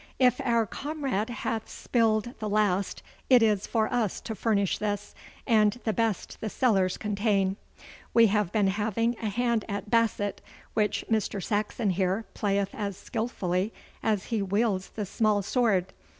If our comrade hath spilled the last it is for us to furnish this, and the best the cellars contain. We have been having a hand at basset, which Mr. Saxon here playeth as skilfully as he wields the small sword.